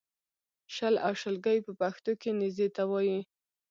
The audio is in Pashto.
شل او شلګی په پښتو کې نېزې ته وایې